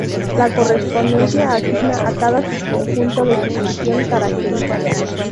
La correspondencia asigna a cada subconjunto de su función característica.